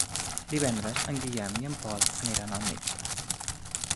Divendres en Guillem i en Pol aniran al metge.